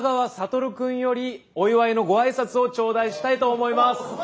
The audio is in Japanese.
君よりお祝いのご挨拶を頂戴したいと思います。